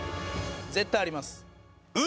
絶対あります。